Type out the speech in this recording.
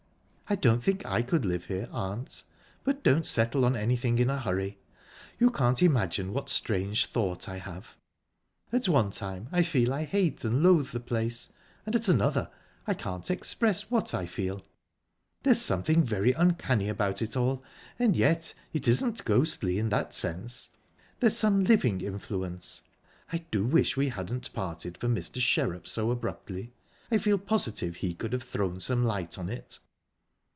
"I don't think I could live here, aunt, but don't settle anything in a hurry. You can't imagine what strange thought I have. At one time I feel I hate and loathe the place, and at another I can't express what I feel. There's something very uncanny about it all, and yet it isn't ghostly, in that sense...There's some living influence...I do wish we hadn't parted from Mr. Sherrup so abruptly. I feel positive he could have thrown some light on it."